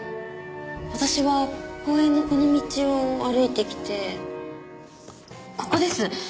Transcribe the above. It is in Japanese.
私は公園のこの道を歩いてきてここです！